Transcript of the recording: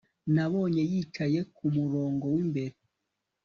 Nabonye yicaye ku murongo wimbere